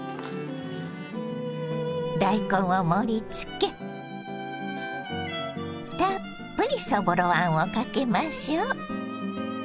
大根を盛りつけたっぷりそぼろあんをかけましょう。